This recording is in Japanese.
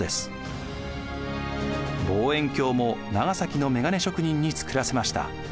望遠鏡も長崎の眼鏡職人に作らせました。